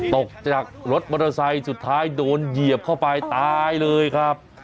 ตกจากรถมอเตอร์ไซค์สุดท้ายโดนเหยียบเข้าไปตายเลยครับ